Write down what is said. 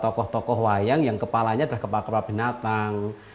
tokoh tokoh wayang yang kepalanya adalah kepala kepala binatang